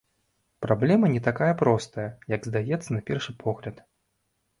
Праблема не такая простая, як здаецца на першы погляд.